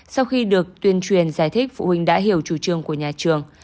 sau khi được tuyên truyền giải thích phụ huynh đã hiểu chủ trương của nhà trường